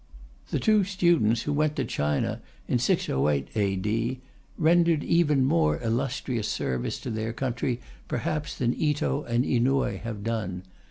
The two students who went to China in 608 A.D. "rendered even more illustrious service to their country perhaps than Ito and Inouye have done.